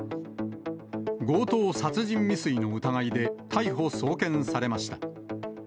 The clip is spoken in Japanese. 強盗殺人未遂の疑いで逮捕・送検されました。